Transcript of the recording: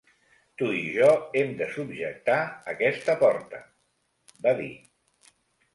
"Tu i jo hem de subjectar aquesta porta", va dir.